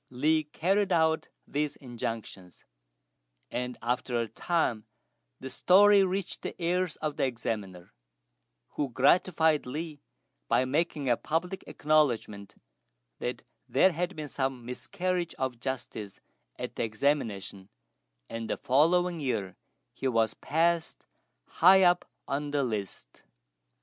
Li carried out these injunctions; and after a time the story reached the ears of the Examiner, who gratified Li by making a public acknowledgment that there had been some miscarriage of justice at the examination; and the following year he was passed high up on the list.